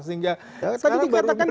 sehingga sekarang baru baru diselesaikan